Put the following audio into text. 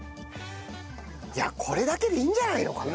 いやこれだけでいいんじゃないのかな？